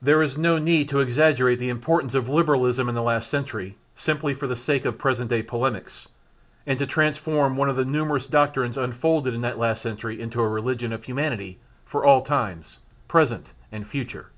There is no need to exaggerate the importance of Liberalism in the last century simply for the sake of present day polemics and to transform one of the numerous doctrines unfolded in that last century into a religion of humanity for all times, present and future.